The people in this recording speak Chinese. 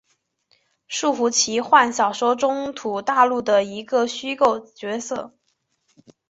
树胡奇幻小说中土大陆的一个虚构角色。